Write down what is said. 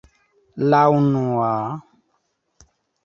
La unua...